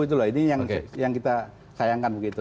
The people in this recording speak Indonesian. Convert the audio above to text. ini yang kita sayangkan begitu